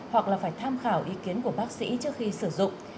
hoặc là phải tham khảo ý kiến của bác sĩ trước khi sử dụng